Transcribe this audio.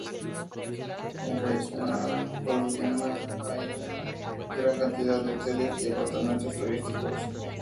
En Krásnaya Poliana hay una gran cantidad de hoteles y apartamentos turísticos.